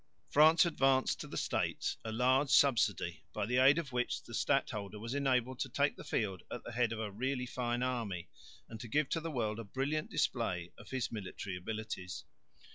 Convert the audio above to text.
France advanced to the States a large subsidy by the aid of which the stadholder was enabled to take the field at the head of a really fine army and to give to the world a brilliant display of his military abilities.